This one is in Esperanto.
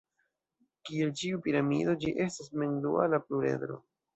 Kiel ĉiu piramido, ĝi estas mem-duala pluredro.